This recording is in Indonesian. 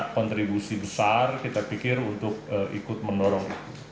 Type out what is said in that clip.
kontribusi besar kita pikir untuk ikut mendorong